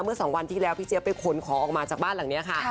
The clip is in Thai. เมื่อสองวันที่แล้วพี่เจี๊ยไปขนของออกมาจากบ้านหลังนี้ค่ะ